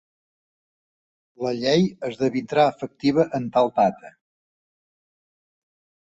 La llei esdevindrà efectiva en tal data.